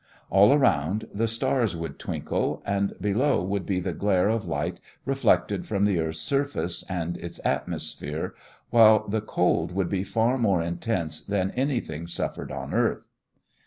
All around, the stars would twinkle, and below would be the glare of light reflected from the earth's surface and its atmosphere, while the cold would be far more intense than anything suffered on earth.